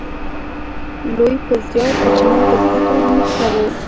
لوی په زیار، کوچنی په زده کړه اموخته و